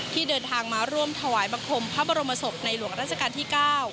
ที่เดินทางมาร่วมถวายบังคมพระบรมศพในหลวงราชการที่๙